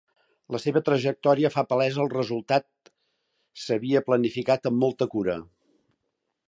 La seva trajectòria fa palès el resultat s'havia planificat amb molta cura.